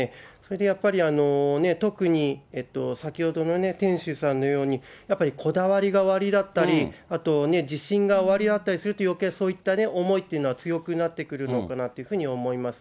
やっぱり特に先ほどのね、店主さんのように、やっぱりこだわりがおありだったり、自信がおありだったりすると、よけいね、そういう思いっていうのが強くなってくるのかなと思います。